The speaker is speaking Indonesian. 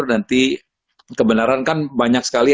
nanti kebenaran kan banyak sekali